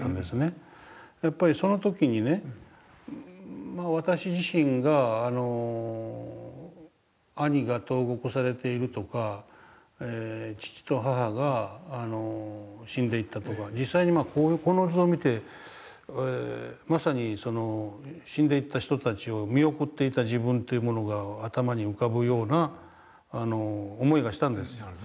やっぱりその時にね私自身が兄が投獄されているとか父と母が死んでいったとか実際にこの図を見てまさに死んでいった人たちを見送っていた自分というものが頭に浮かぶような思いがしたんですよ。